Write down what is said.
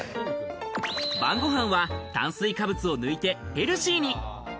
晩ご飯は炭水化物を抜いてヘルシーに。